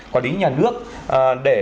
quản lý nhà nước để